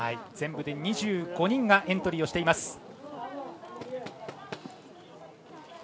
全部で２５人がエントリーしています。